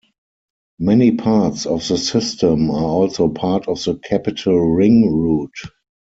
Many parts of the system are also part of the Capital Ring route.